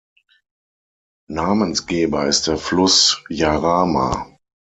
Namensgeber ist der Fluss Jarama.